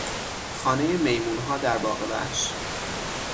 خانهی میمونها در باغ وحش